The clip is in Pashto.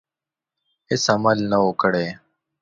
هیڅ عمل نه وو کړی.